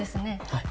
はい。